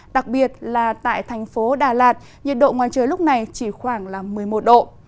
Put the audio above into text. đặc biệt là tại thành phố đà lạt nhiệt độ ngoài trời lúc này chỉ khoảng một mươi một độ